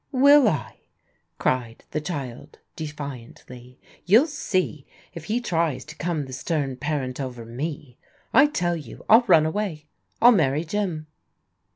"Will I?" cried the child defiantly. "You'll see if he tries to come the stem parent over me. I tell you, I'll run away ; I'll marry Jim."